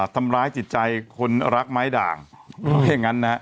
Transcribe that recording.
ทำร้ายจิตใจคนรักไม้ด่าง